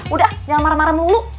udah jangan marah marah mulu